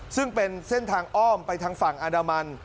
ซึ่งเป็นเส้นทางอ้อมไปทางฝั่งอันดามัน